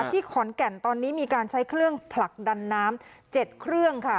ที่ขอนแก่นตอนนี้มีการใช้เครื่องผลักดันน้ำ๗เครื่องค่ะ